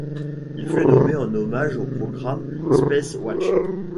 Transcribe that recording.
Il fut nommé en hommage au programme Spacewatch.